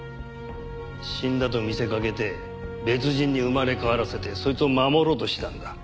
死んだと見せかけて別人に生まれ変わらせてそいつを守ろうとしたんだ。